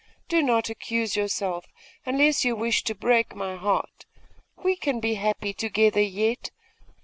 Do not accuse yourself unless you wish to break my heart! We can be happy together yet.